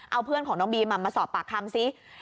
เอาเพื่อนของน้องบีมมาสอบปากคำซิ